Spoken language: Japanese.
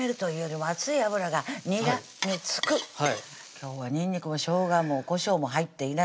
今日はにんにくもしょうがもこしょうも入っていない